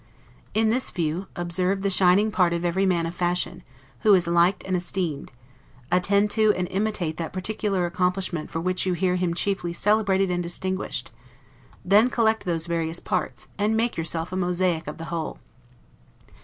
In this view, observe the shining part of every man of fashion, who is liked and esteemed; attend to, and imitate that particular accomplishment for which you hear him chiefly celebrated and distinguished: then collect those various parts, and make yourself a mosiac of the whole.